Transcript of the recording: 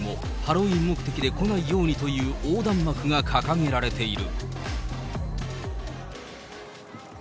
センター街にも、ハロウィーン目的で来ないようにという横断幕が掲げられている。